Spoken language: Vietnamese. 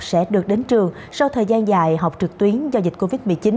sẽ được đến trường sau thời gian dài học trực tuyến do dịch covid một mươi chín